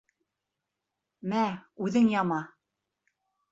Мә, үҙең яма!